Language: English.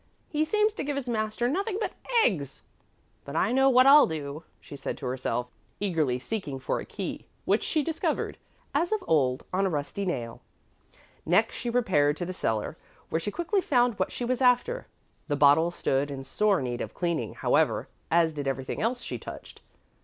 "He seems to give his master nothing but eggs. But I know what I'll do," she said to herself, eagerly seeking for a key, which she discovered, as of old, on a rusty nail. Next she repaired to the cellar where she quickly found what she was after; the bottle stood in sore need of cleaning, however, as did everything else she touched.